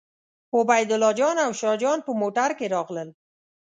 عبیدالله جان او شاه جان په موټر کې راغلل.